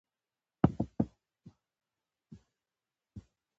ویده ذهن د ورځې خبرې بیا بیا ګرځوي